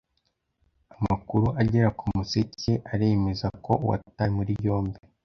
amakuru agera k’Umuseke aremeza ko uwatawe muri yombi